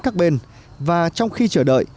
các bên và trong khi chờ đợi